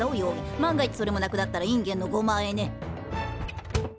万が一それもなくなったらインゲンのごまあえね。